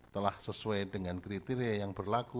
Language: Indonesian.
telah sesuai dengan kriteria yang berlaku